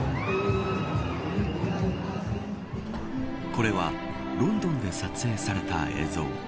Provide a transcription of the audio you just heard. これはロンドンで撮影された映像。